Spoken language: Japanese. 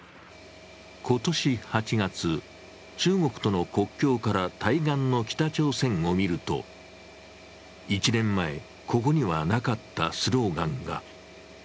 今年８月、中国との国境から対岸の北朝鮮を見ると、１年前、ここにはなかったスローガンが。